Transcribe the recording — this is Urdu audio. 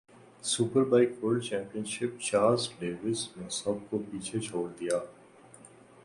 super bike world championship Chaz Davies نے سب کو پیچھے چھوڑ دیا